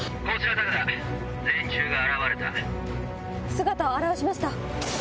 姿を現しました。